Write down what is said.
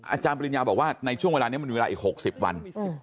อาจารย์ปริญญาบอกว่าในช่วงเวลานี้มันมีเวลาอีก๖๐วัน